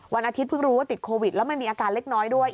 อาทิตยเพิ่งรู้ว่าติดโควิดแล้วมันมีอาการเล็กน้อยด้วย